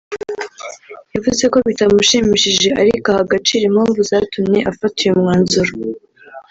yavuze ko bitamushimishije ariko aha agaciro impamvu zatumye afata uyu mwanzuro